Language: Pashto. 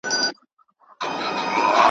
ماښام ولاړئ سباوون سو، هرساعت تیرپه بیلتون سو